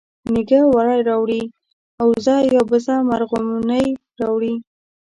مېږه وری راوړي اوزه یا بزه مرغونی راوړي